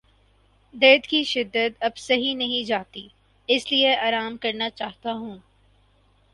درد کی شدت اب سہی نہیں جاتی اس لیے آرام کرنا چاہتا ہوں